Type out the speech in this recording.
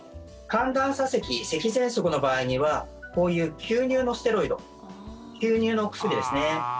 寒暖差せきせきぜんそくの場合にはこういう吸入のステロイド吸入のお薬ですね。